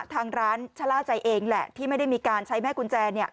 ทางร้านชะล่าใจเองแหละที่ไม่ได้มีการใช้แม่กุญแจเนี่ย